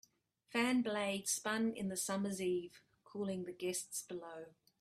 Fan blades spun in the summer's eve, cooling the guests below.